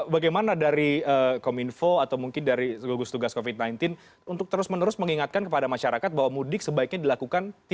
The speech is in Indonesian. bagaimana dari kominfo atau mungkin dari gugus tugas covid sembilan belas untuk terus menerus mengingatkan kepada masyarakat bahwa mudik sebaiknya dilakukan